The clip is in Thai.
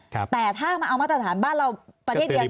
แต่ถ้ามาเอามาตรฐานบ้านเราประเทศเดียว